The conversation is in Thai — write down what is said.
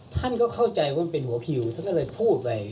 ท่านก็เข้าใจว่ามันเป็นหัวคิวท่านก็เลยพูดไป